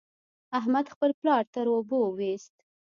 احمد خپل پلار تر اوبو وېست.